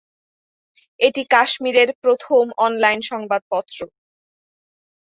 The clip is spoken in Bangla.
এটি কাশ্মিরের প্রথম অনলাইন সংবাদপত্র।